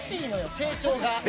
成長が。